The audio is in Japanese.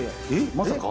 まさか？